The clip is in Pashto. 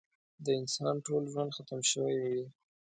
د انسان ټول ژوند ختم شوی وي.